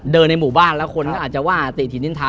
ในหมู่บ้านแล้วคนก็อาจจะว่าเตะถิ่นนินทา